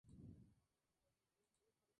Fue colega del paisajista Roberto Burle Marx.